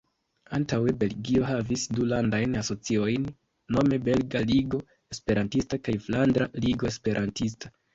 Antaŭe Belgio havis du Landajn Asociojn, nome Belga Ligo Esperantista kaj Flandra Ligo Esperantista.